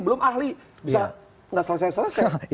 belum ahli bisa nggak selesai selesai